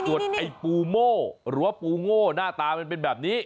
ส่วนไอ้ปูโม่หรือว่าปูโง่หน้าตามันเป็นแบบนี้